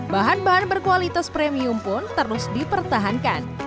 bahan bahan berkualitas premium pun terus dipertahankan